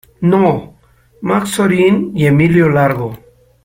No, Max Zorin y Emilio Largo.